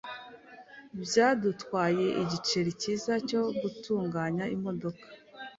Byadutwaye igiceri cyiza cyo gutunganya imodoka.